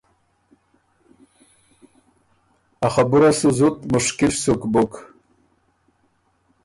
ا خبُره سُو زُت مشکل سُک بُک“